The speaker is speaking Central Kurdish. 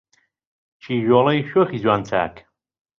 کیژۆڵەی شۆخی جوان چاک